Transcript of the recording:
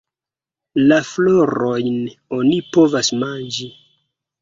La florojn oni povas manĝi.